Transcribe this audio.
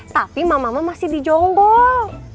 tapi mama mama masih di jonggol